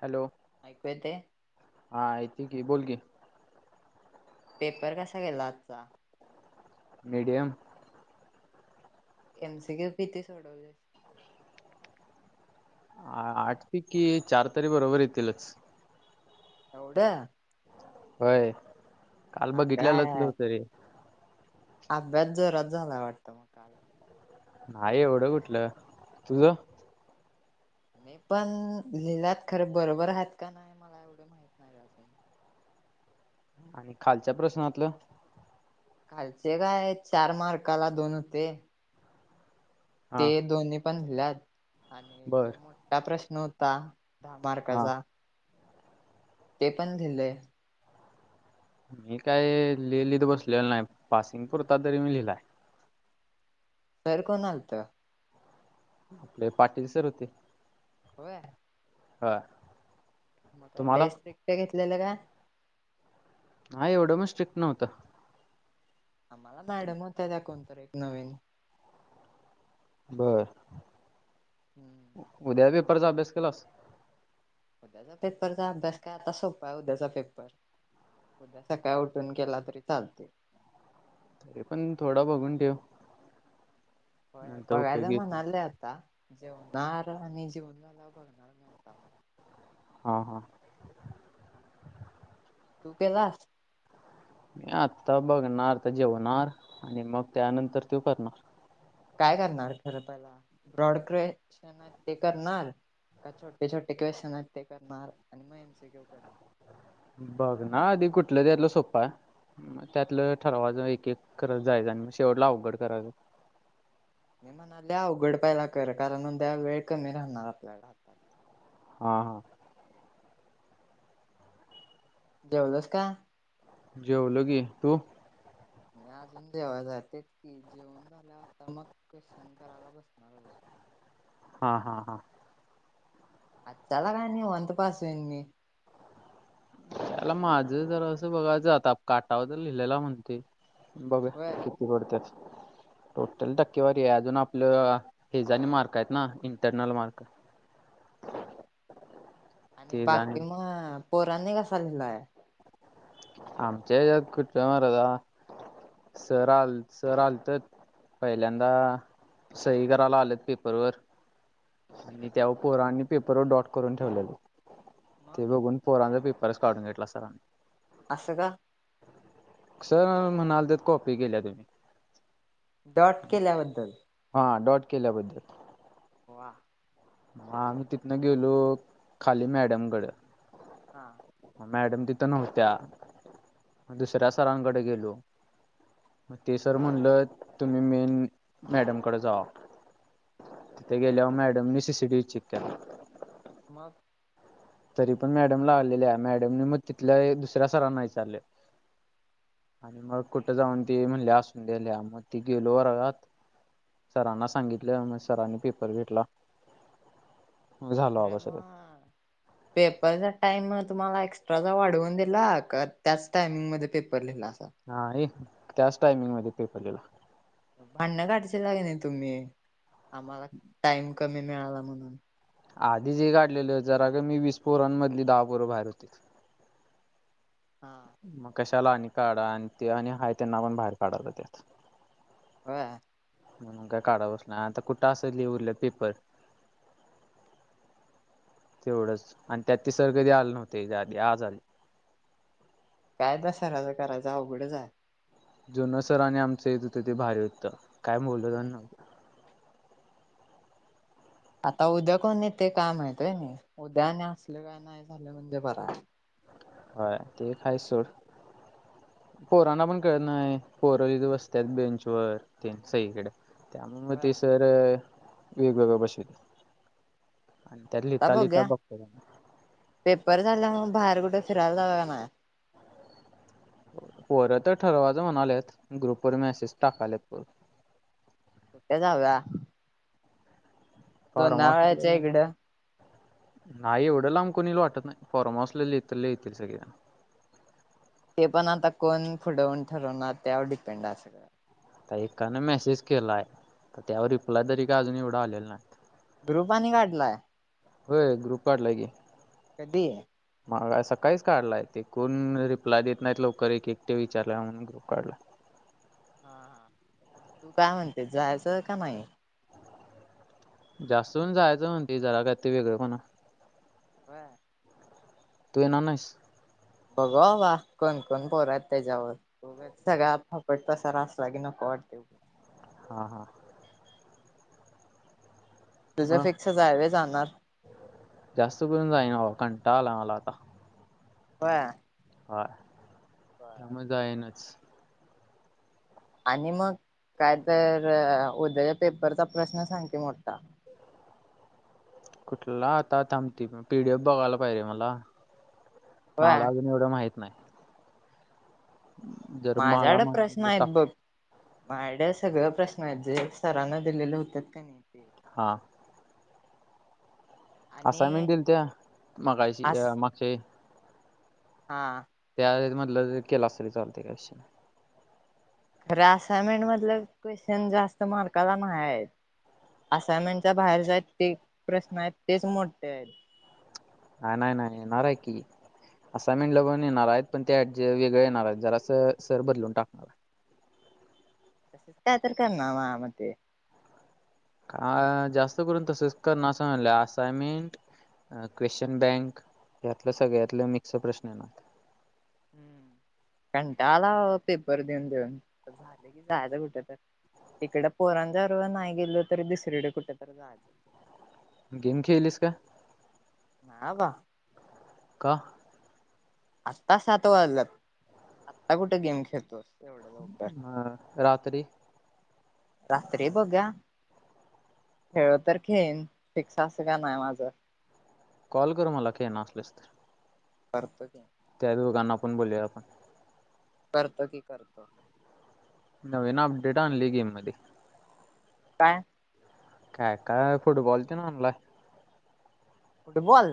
Hello ऐकू येतंय हा ठीक आहे बोल की पेपर कसा केला आजचा मीडयम एमसी क्यु किती सोडवले? आठ पैकी चार तरी बरोबर येतीलच- एवढ्या? होय? काल बघितलेलंतल अगाय होतं रे अभ्यास जोरात झाला वाटतं म काल? नाही एवढं कुठलं, तुझं? मी पण लिहिलात खरे बरोबर आहेत का नाही मला एवढे माहितणाय अजून आणि खालच्या प्रश्नातलं? खालचे काय चार मार्काला दोन होते ते हा दोन्ही लिहिल्यात आणि बर जो मोठा प्रश्न होत ता दहा हा मार्काचा ते पण दिलंय मी काय लिहिलीत, बसलेलं नाही पासिंग पुरता तरी मी लिहिलाय घर कोण आलत? आपले पाटील सर होते होय! हा मग लय स्ट्रिक्ट घेतलेलं काय? नाही एवढं पण स्ट्रिक्ट नव्हतं आम्हाला मॅडम होत्या त्या कोण तर एक नवीन बरं. हम्म उद्या पेपरचा अभ्यास केलास? उद्याचा पेपरचा अभ्यास काय आता सोप आहे उद्याचा पेपर, उद्या सकाळ उठून गेला तरी चालतय. तरी पण थोडं बघून ठेव हो नंतर उपयोगी बघायचं येतील म्हणाले आता जेवणार आणि जेवून तलाभ [unintelligible] हा हा तू केलास? मी आत्ता बघणार, तर जेवणार आणि मग त्यानंतर त्यो करणार काय करणार खरं पहला ब्रॉड क्वेशन ते करणार का छोटे छोटे क्वेशन ते करणार? आणि मग एमसी क्यू करणार? बघ ना आधी कुठलं त्यातलं सोपय, त्यातलं ठरवाच एक एक करत जायचं आणि मग शेवटला अवघड करायचं मी म्हणाले, अवघड पहला कर, कारण द्या वेळ कमी राहणार आपल्याकडं हातात हा हां जेवलास काय? जेवलो की तू? अजून जेवायच तेच की, जेवण झाल्यावर आता मग क्वेशन करायला बसणार बघ. हा, हा, हा, अ चला काणी वंत पास येनी [unintelligible] त्याला माझं जर असं बघायचं, आता काटावर तर लिहिलेला म्हणतय. बघुया होय किती पडत्यात. टोटल टक्केवारी आहे, अजून आपलं हेजणी मार्क आहेत ना इंटरनल मार्क. हो आणि ते जाणे बाकी मग पोराने कसा लिहिलाय? आमच्या यात कुठ महाराज सर आ सर आलतत पहिल्यांदा सही करायला आलत पेपरवर आणि त्यावर पोरांनी पेपरवर डॉट करून ठेवलेलं. मग ते बघून पोरांचा प परषवड एटला सार आणि [unintelligible] आसं का? सर म्हणाल तेत, कॉपी केल्या तुम्ही? डॉट केल्याबद्दल हा डॉट केल्याबद्दल. वा! हा आम्ही तिथनं गेलो, खाली मॅडम कड हा. मॅडम तिथ नव्हत्या, म दुसऱ्या सरांकडे गेलो, म ते सर म्हणलत, तुम्ही मेन मॅडमकड जावा, तिथे गेल्यावर मॅडमनी C C T V check केला. मग? तरी पण मॅडमला आलेल्या मॅडमने मग तिथल्या दुसऱ्या सरांना विचारले आणि मग कुठं जाऊन ते म्हणल्या, असून दे लिहा. म ती गेलो वरगात सरांना सांगितलं, मग सरांनी पेपर घेतला. झालं खर बाबा सगळं म पेपरचा टाइम तुम्हाला एक्स्ट्राचा वाढवून दिला का? त्याच टायमिंगमध्ये पेपर लिहिला. असा नाही. त्याच टाइमिंगमध्ये पेपर लिहिला. भांडणं काढशीला काय नाही तुम्ही? आम्हाला टाईम कमी मिळाला म्हणून. [inaudible] आधीच हे काढलेलं जरा कमी वीस पोरांमधली दहा पोरं बाहेर होतीत. हा म कशा ला आणि काढा आणि ते आणि हाय त्यांना पण बाहेर काढायचं त्यात. होय? म्हणून काय काढलंच नाही आता कुठं असं लिहिलं पेपर. तेवढंच आणि त्यात ते सर कधी आले नव्हते आज आले. काय त्या सराचं करायचं अवघडच आहे. जुनं सर आणि आमचं येत होतं ते भारी होतं काय [unintelligible] आता उद्या कोणी येतंय काय माहित होय नाही? उद्या आणि असलं काय नाही झालं म्हणजे बरंय. होय ते हाय सोड. पोरांना पण कळत नाही पोरं इथं बसतात बेंचवर ते सगळीकडे. त्यामुळं म ते होय सर वेगवेगळ्या बशीत. आता बघूया पेपर झाल्यामुळ बाहेर कुठे फिरायला जाता का नाही? पोरं तर ठरवायचं म्हणालेत ग्रुपवर मेसेज टाकाल्यात पोरं. कुठे जाऊया? फॉर्म लोणावळ्याच्या हाऊसला इकडं. नाही एवढं लांब कोण येईल वाटत नाही फार्महाऊसला लय तर लय येतील सगळेजण. ते पण आता कोण पुढं होऊन ठरवणार त्यावर डिपेंड आहे सगळं. आता एकानं मेसेज केला आहे तर त्यावर रिप्लाय तरी काय अजून एवढं आलेलं नाहीत. ग्रुप आणि काढलाय? होय ग्रुप काढलाय की. कधी? मग सकाळीच काढलाय ते कोण रिप्लाय देत नाहीत लवकर एकेकटे विचारुया म्हणून ग्रुप काढलाय. जा म्हणते जायचं का नाही? जास्त जन जायचं म्हणत्यात. जरा कायतर वेगळं पणा- - होय. तु येणार नाहीस? बघू बाबा कोण कोण पोर हाईत त्याच्यावर सगळा फापट पसारा असला की नको वाटतयं. हा हा. तुझं मग फिक्स आहे व्हय जाणार जास्त करून जाईन बाबा कं - - टाळा आलाय मला आता. होय. होय. त्यामुळे जाईनच. आणि मग काय तर उद्याच्या पेपरचा प्रश्न सांग की मोठा. कुठला? आता थांब ते पीडीएफ बघायला पाहिजे मला. मला होय अजून एवढं माहि - - नाही. जर मला माझ्याकडं प्रश्न माहित तर हाईत बघ. टाकतो माझ्याकडे सगळं - - प्रश्न आहेत जे सरांना दिलेले होत का नाही ते - - हा. असायनमेंट आणि दिलत्या मगाशी अस अ मागच्या वेळी - - हा. त्यामधलं म्हटलं केलास तरी चालतयं काय विषय नाही. खरं असायनमेंट मधले क्वेश्चन जास्त मार्काला नाही हाईत. असइनमेंटच्या बाहेर जे प्रश्न आहेत तेच मोठे आहेत. ह नाही नाही येणार आहे की असायनमेंटमधलं पण येणार हाय पण त्या जे वेगळे येणार आहेत जरा स सर बदलून टाकणार हाइत. त्या तर कर ना माझ्या मते. का जास्त करून तसच करणारं असइनमेंट क्वेश्चन बँक यातले सगळ्यातले मिक्स प्रश्न येनार. हम्म कंटाळा आला बाबा पेपर देऊन देऊन जायचं कुठे तर इकडे पोरांच्या बरोबर नाही गेलो तरी दुसरीडे कुठे तर जायचं. गेम खेळलीस का? नाय बाबा. का? आत्ता सात वाजल्यात आत्ता कुठे गेम खेळतोस. एवढं लवकर ह रात्री- - रात्री बघुया. खेळलो तर खेळेन फिक्स अस काय नाय माझ. कॉल कर मला खेळणार असलास तर. करतो कि - - त्या दोघांना पण बोलूया आपण. करता की करतो. नवीन अपडेट आणलोय गेममध्ये काय? काय काय फुटबॉल तेन आनलाय. फुटबॉल.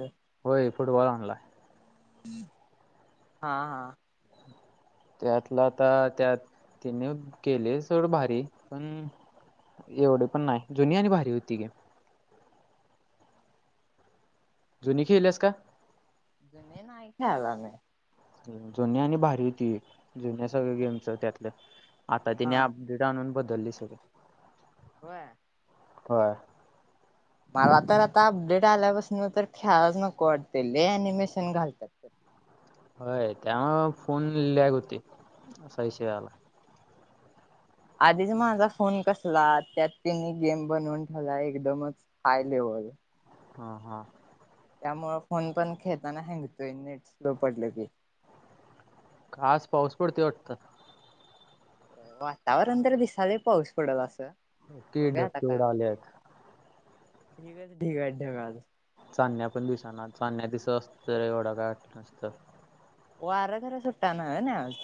फुटबॉल आणलाय. हा. हा. त्यातला आता त्यात तिने केले सर्व भारी पण एवढ पण नाही जुनी आणि भारी होती गेम जुनी खिळलास काय? [unintelligible] नाही खेळला मी. जुनी आणि भारी होती जुन्या सगळ्या गेमचं त्यातलं. आता तिने हा अपडेट आणून ब दललंय सगळं. होय? होय. मला तर आता अपडेट आल्यापासून तर खेळालाच नको वाटतंय लय अनिमेशन घालत्यात. होय त्यामुळं फोन लॅग होतोय असा विषय झालाय. आधीच माझा फोन कसला त्यात त्यांनी गेम बनवून ठेवलाय एकदमच हाय लेवल हां हां. त्यामुळं फोन पण खेळताना हँगतोय नेट स्लो पडलं की आज पाऊस पडतोय वाटतं? अ वातावरण तर दिसालंय पाऊस पडल असं. की बघा ढग आता काय केवढं होते आल्यात. ढिगच ढिगच आहेत ढग अजून. चांण्या पण दिसना चांण्या दिसत असत एवढं काय वाटल नसत. [inaudible] वार खर सुट्टा न ना आज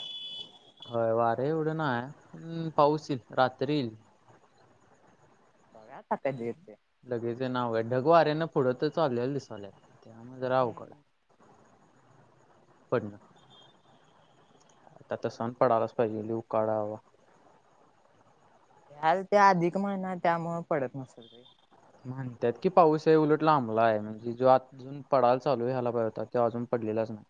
होय वार एवढं नाय [inaudible] हम पाऊस येई रात्री यईल. बघा आता कधी येतंय. [inaudible] ढगेचे नावे हाय ढगवारे न पुढं त चालेल्या दिसाल्या. [inaudible] [inaudible] दराक. [inaudible] [inaudible] पडण [inaudible] आता त सण पडायलाच पाहिजे लिई उकाडावा. [inaudible] हाल त्या अधिक महिना त्यामुळ पडत नसेल ते. [inaudible] [inaudible] म्हणतात की, पाऊस हे उलट लांबलाय. म्हनजे जो आजून पडाल चालू झालाय पाहिजे होता, तो अजून पडलेलाच नाय.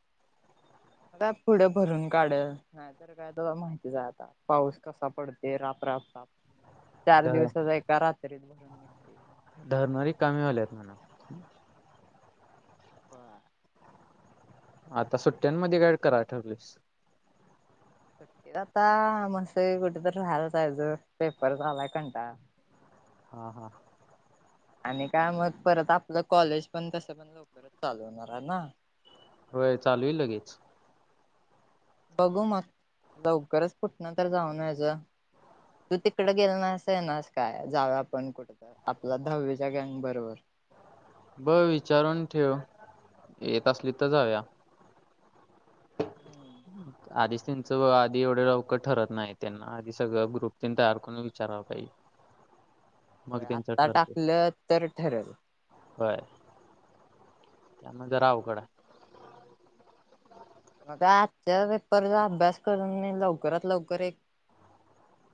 [inaudible] [inaudible] आता पुढ भरून कढल, नाही तर काय? तवा माहितच जाय आता पाऊस कसा पडते रापरापराप [inaudible] [inaudible] चार धर दिवसाचा एका रात्रीत भरून निघते [inaudible] धरणं रिकामी व्हायल्यात [unintelligible] [inaudible] बर. [inaudible] [inaudible] आता सुट्ट्यांन मध्ये काय कराड ठेवलेस. [inaudible] [inaudible] आता मसे कुठ तरी राहायला जायच पेपर झालाय कणटाळ. [inaudible] [inaudible] हा हा. [inaudible] आणि काय मग परत आपलं, कॉलेज पण तसं पण लवकरच [inaudible] चालू होणार ना! [inaudible] होय चालू होईल लगेच. [inaudible] [inaudible] बघू मग [inaudible] लवकरच कुठन तर जाऊन यायचं [inaudible] तू तिकड गेलं नाईस येणास काय जावा आपण कुठं तर आपल्या धावीच्या गँग बरोबर. बघ विचारून ठेव, [inaudible] येत असली त जावूया. [inaudible] [unintelligible] आधीच त्यांच व आधी एवढं लवकर ठरत नाही त्यांना आधी सगळं ग्रुप तेनचा [unintelligible] [inaudible] होय, आत्ता टाकलं तर ठरल व्हय त्यामुळं जरा अवघड हाय. मग आजच्या पेपरचा अभ्यास करून, मी लवकरात लवकर एक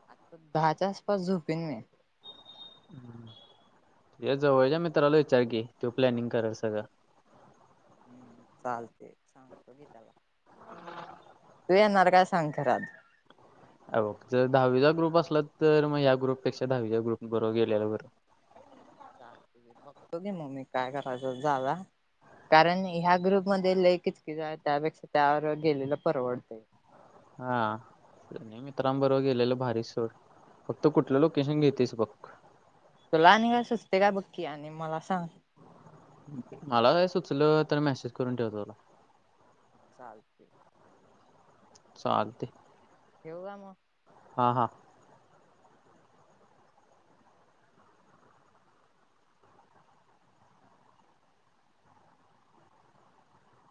आत्ता दहाच्या आसपास झोपीन मी. तुझ्या जवळच्या मित्राला विचार की, त्यो प्लॅनिंग करल सगळं. हम्म चालतंय सांगतो की, त्याला तू येणार काय सांग खरं आज? हे बघ जर दहावीचा ग्रुप असला तर, मग ह्या ग्रुपपेक्षा दहावीच्या ग्रुप बरोबर गेलेल बरं. चालतंय घे बघतो घे मग मी काय करायचं जाव कारण ह्या ग्रुप मध्ये लय किचकीच आहे त्यापेक्षा त्याबरोबर गेलेलं परवडतय. हां जुन्या मित्रांबरोबर गेलेलं भारीच सोड फक्त कुठलं लोकेशन घेतेस बघं. तुला आणि काय सुचतंय काय बघ की आणि मला सांग. मला काय सुचलं तर मेसेज करून ठेवतो तुला. चालतंय चालतंय ठेवू का मग? हां हां